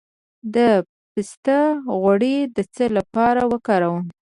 د پسته غوړي د څه لپاره وکاروم؟